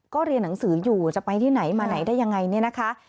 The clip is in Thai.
ก็เรียนหนังสืออยู่จะไปที่ไหนมาไหนได้ยังไงเนี่ยนะคะ